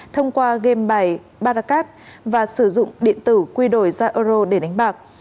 thông qua game bài baracas và sử dụng điện tử quy đổi ra euro để đánh bạc